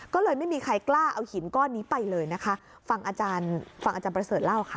ก็เลยไม่มีใครกล้าเอาหินก้อนนี้ไปเลยนะคะฟังอาจารย์ฟังอาจารย์ประเสริฐเล่าค่ะ